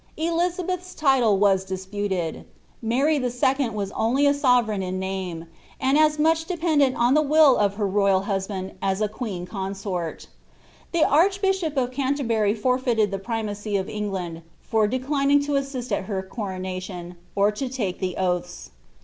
£lizabeth*s title was disputed. Mary II. was only a sovereign in name, and as much dependent on the wul of her royal husband as a queen consort The archbishop of Canterbury forfeited the primacy of England, for de clining to assist at her coronation, or to take the oaths.